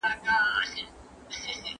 کوم فعالیتونه هره ورځ موږ ته موسکا رابخښي؟